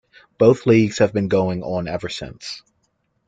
Both leagues have been going on ever since.